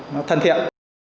nó thân thiện